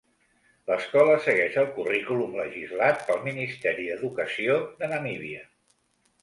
L'escola segueix el currículum legislat pel Ministeri d'Educació de Namíbia.